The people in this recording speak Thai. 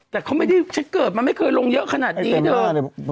แต่เขาไม่ได้ฉันเกิดมาไม่เคยลงเยอะขนาดนี้เถอะ